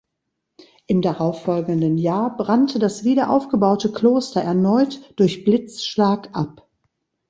Im darauffolgenden Jahr brannte das wiederaufgebaute Kloster erneut durch Blitzschlag ab.